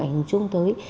ảnh hưởng chung tới